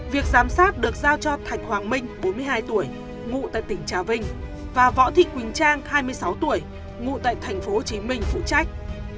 việc giám sát được giao cho thạch hoàng minh bốn mươi hai tuổi ngụ tại tỉnh trà vinh và võ thị quỳnh trang hai mươi sáu tuổi ngụ tại tp hcm phụ trách